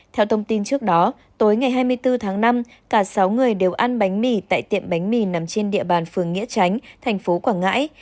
theo thông tin trước đó tối ngày hai mươi bốn tháng năm cả sáu người đều ăn bánh mì tại tiệm bánh mì nằm trên địa bàn phường nghĩa tránh thành phố quảng ngãi